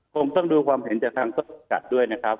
คงต้องดูความเห็นจากทางสัตว์ด้วยนะครับ